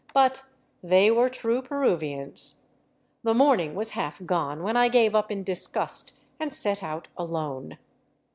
But they were true Peruvians. The morning was half gone when I gave up in disgust and set out alone.